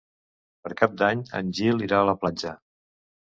Per Cap d'Any en Gil irà a la platja.